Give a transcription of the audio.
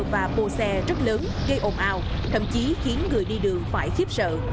và bô xe rất lớn gây ồn ào thậm chí khiến người đi đường phải khiếp sợ